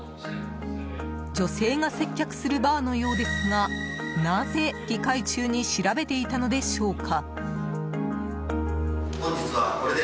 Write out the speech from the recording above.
女性が接客するバーのようですがなぜ、議会中に調べていたのでしょうか？